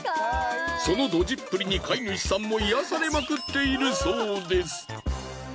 そのドジっぷりに飼い主さんも癒やされまくっているそうです。